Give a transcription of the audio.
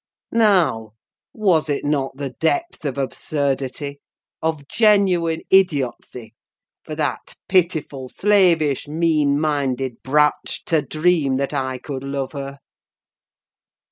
Now, was it not the depth of absurdity—of genuine idiocy, for that pitiful, slavish, mean minded brach to dream that I could love her?